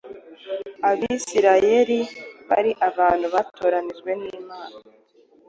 Abisirayeri bari abantu batoranyijwe n’Imana